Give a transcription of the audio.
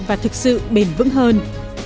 và thực sự bền vững hơn